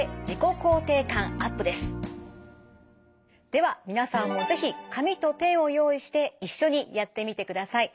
では皆さんも是非紙とペンを用意して一緒にやってみてください。